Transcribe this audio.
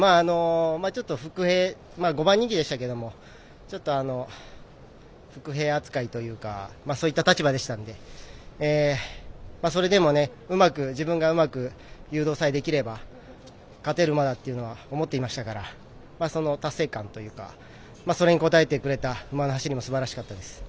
ちょっと伏兵５番人気でしたけどちょっと、伏兵扱いというかそういった立場でしたのでそれでもうまく自分が誘導さえできれば勝てる馬だっていうのは思っていましたからその達成感というかそれに応えてくれた馬の走りもすばらしかったです。